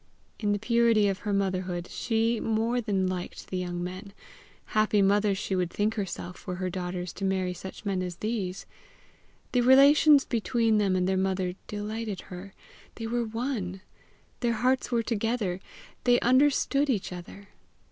In the purity of her motherhood, she more than liked the young men: happy mother she would think herself, were her daughters to marry such men as these! The relations between them and their mother delighted her: they were one! their hearts were together! they understood each other!